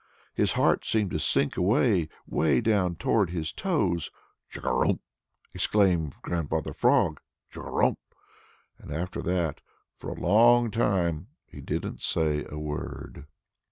His heart seemed to sink way, way down towards his toes. "Chugarum!" exclaimed Grandfather Frog, "Chugarum!" And after that for a long time he didn't say a word.